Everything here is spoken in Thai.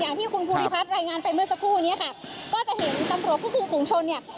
อย่างที่คุณภูริพัฒน์รายงานไปเมื่อสักครู่นี้ค่ะก็จะเห็นตำรวจควบคุมฝุงชนเนี่ย